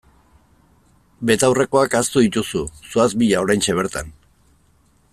Betaurrekoak ahaztu dituzu, zoaz bila oraintxe bertan!